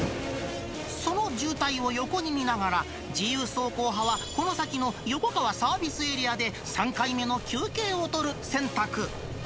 その渋滞を横に見ながら、自由走行派は、この先の横川サービスエリアで３回目の休憩を取る選択。